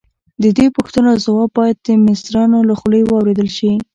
د دې پوښتنو ځواب باید د مصریانو له خولې واورېدل شي.